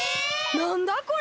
なんだこれ！？